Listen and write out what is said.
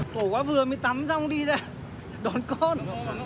mũ quá vừa mới tắm xong đi ra đón con